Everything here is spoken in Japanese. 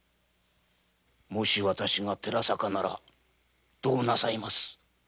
もしわたしが寺坂ならどうなさいます？